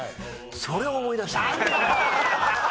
それを思い出したの。